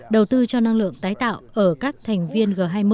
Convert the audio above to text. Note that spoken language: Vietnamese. đầu tư cho năng lượng tái tạo ở các thành viên g hai mươi